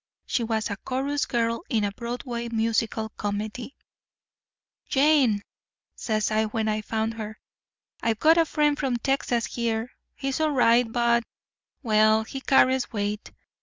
She was a chorus girl in a Broadway musical comedy. "'Jane,' says I when I found her, 'I've got a friend from Texas here. He's all right, but—well, he carries weight.